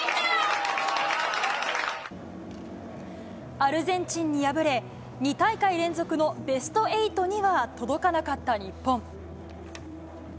アルゼンチンに敗れ、２大会連続のベストエイトには届かなかった日本。